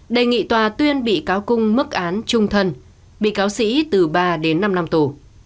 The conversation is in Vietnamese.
đề nghị tòa tuyên bị cáo cung mức án trung thân bị cáo sĩ từ ba đến năm năm tù